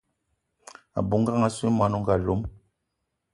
A bou ngang assou y mwani o nga lom.